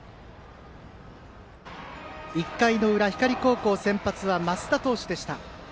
１回裏、光高校先発は升田投手でした。